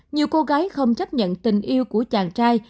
nhiều cô gái không chấp nhận tình yêu của chàng trai